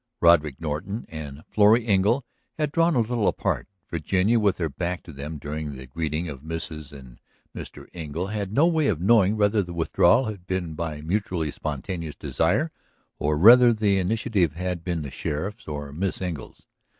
Roderick Norton and Florrie Engle had drawn a little apart; Virginia, with her back to them during the greeting of Mrs. and Mr. Engle, had no way of knowing whether the withdrawal had been by mutually spontaneous desire or whether the initiative had been the sheriff's or Miss Engle's.